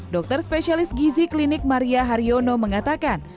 dokter spesialis gizi klinik maria haryono mengatakan